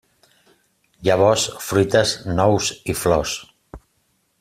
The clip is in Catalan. Llavors, fruites, nous i flors.